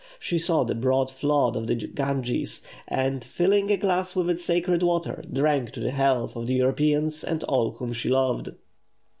She saw the broad flood of the Ganges, and, filling a glass with its sacred water, drank to the health of the Europeans and all whom she loved.